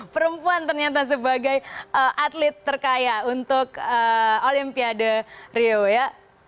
perempuan ternyata sebagai atlet terkaya untuk olimpiade rio ya